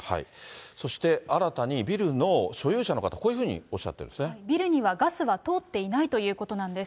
そして新たにビルの所有者の方、こういうふうにおっしゃってビルにはガスは通っていないということなんです。